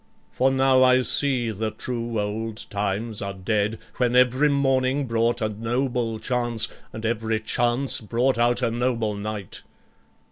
For now I see the true old times are dead, When every morning brought a noble chance, And every chance brought out a noble knight.